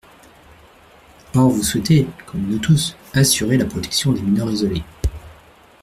Or vous souhaitez, comme nous tous, assurer la protection des mineurs isolés.